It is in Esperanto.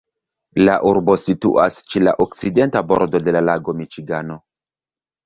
La urbo situas ĉe la okcidenta bordo de la lago Miĉigano.